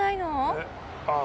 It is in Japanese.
えっ？